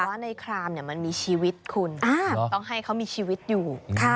ว่าในครามมันมีชีวิตคุณต้องให้เขามีชีวิตอยู่